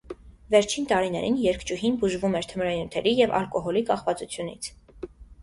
Վերջին տարիներին երգչուհին բուժվում էր թմրանյութերի և ալկոհոլի կախվածությունից։